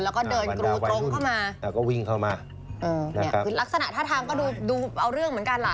แล้วก็เดินกรูตรงเข้ามาอ่าก็วิ่งเข้ามาเออเนี่ยคือลักษณะท่าทางก็ดูดูเอาเรื่องเหมือนกันล่ะ